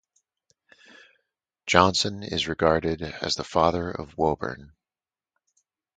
Johnson is regarded as the father of Woburn.